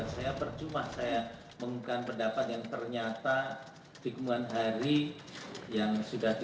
jalan keluar mengenai itu karena saya membutuhkan data yang lengkap